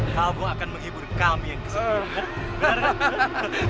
kamu akan menghibur kami yang hahaha